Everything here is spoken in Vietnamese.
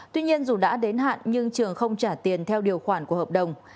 tuy nhiên dù đã đến hạn nhưng trường không trả tiền theo điều khoản của hợp đồng